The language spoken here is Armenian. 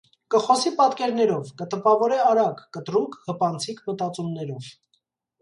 Կը խօսի պատկերներով. կը տպաւորէ՝ արագ, կտրուկ, հպանցիկ մտածումներով։